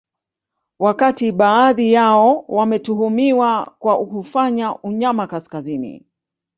Wakati baadhi yao wametuhumiwa kwa kufanya unyama kaskazini